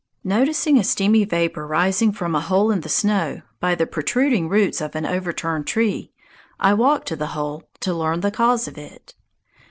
Noticing a steamy vapor rising from a hole in the snow by the protruding roots of an overturned tree, I walked to the hole to learn the cause of it.